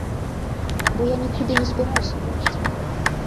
Бо я нікуды і не збіраўся ехаць.